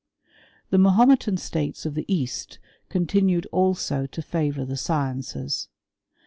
The Mahometan states of the east continued ali<^ to favour the sciences.